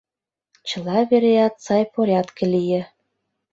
Чыла вереат сай порядке лие.